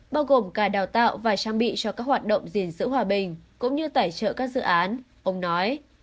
bao gồm cả đào tạo và trang bị cho các hoạt động gìn giữ hòa bình cũng như tài trợ các dự án ông nói